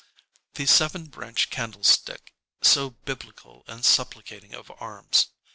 The seven branch candlestick so biblical and supplicating of arms.